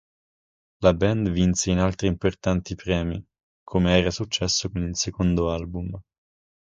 La band vinse in altri importanti premi come era successo con il secondo album.